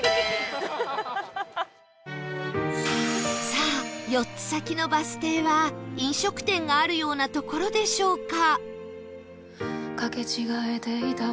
さあ４つ先のバス停は飲食店があるような所でしょうか？